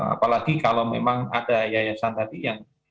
apalagi kalau memang ada yayasan tadi yang